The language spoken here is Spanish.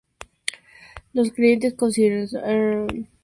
Los creyentes consideraban estos casos como milagrosos.